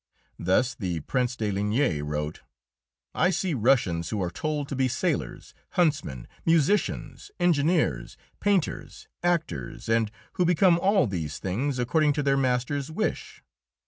Thus the Prince de Ligne wrote: "I see Russians who are told to be sailors, huntsmen, musicians, engineers, painters, actors, and who become all these things according to their masters' wish.